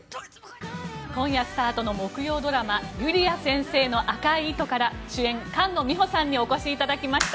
本日スタートの木曜ドラマ「ゆりあ先生の赤い糸」から主演、菅野美穂さんにお越しいただきました。